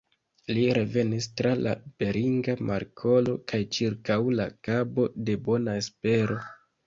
Li revenis tra la Beringa Markolo kaj ĉirkaŭ la Kabo de Bona Espero.